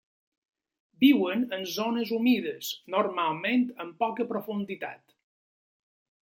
Viuen en zones humides normalment amb poca profunditat.